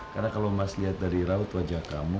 karena kalau mas lihat dari raut wajah kamu